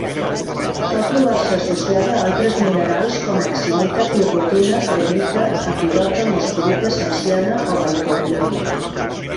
Sol trobar-se associada a altres minerals com: axinita, pirrotina, prehnita, epidota, moscovita, celsiana o bytownita.